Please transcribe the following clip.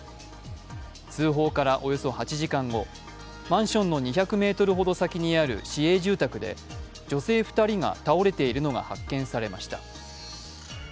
通報からおよそ８時間後マンションの２００ｍほど先にある市営住宅で女性２人が倒れているのが発見されました。